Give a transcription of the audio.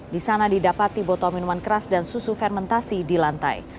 di sana didapati botol minuman keras dan susu fermentasi di lantai